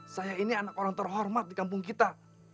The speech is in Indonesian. saya ini anak orang terhormat di kampung kita